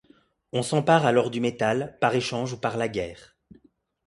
On s'empare alors du métal par échange ou par la guerre.